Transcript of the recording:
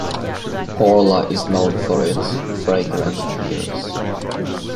Korla is known for its "fragrant" pears.